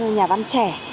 nhà văn trẻ